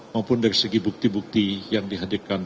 maupun dari segi bukti bukti yang dihadirkan